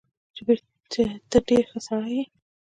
چې تۀ ډېر ښۀ سړے ئې